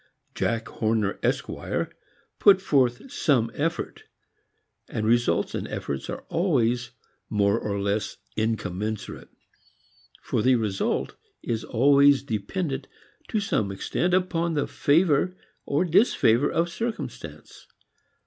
Jack Horner, Esq., put forth some effort; and results and efforts are always more or less incommensurate. For the result is always dependent to some extent upon the favor or disfavor of circumstance.